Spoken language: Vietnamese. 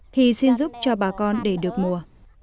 thì xin giúp cho bà con để được ngô